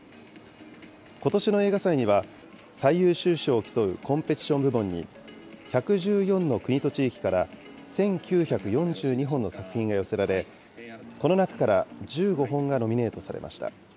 ことしの映画祭には、最優秀賞を競うコンペティション部門に、１１４の国と地域から、１９４２本の作品が寄せられ、この中から１５本がノミネートされました。